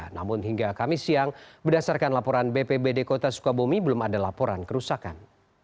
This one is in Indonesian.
namun hingga kamis siang berdasarkan laporan bpbd kota sukabumi belum ada laporan kerusakan